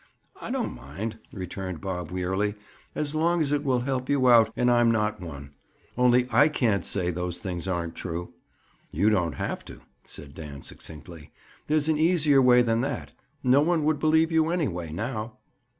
"I don't mind," returned Bob wearily, "as long as it will help you out and I'm not one. Only I can't say those things aren't true." "You don't have to," said Dan succinctly. "There's an easier way than that. No one would believe you, anyway, now."